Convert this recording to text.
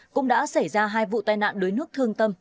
cũng đã xảy ra hai vụ tai nạn đuối nước thương tâm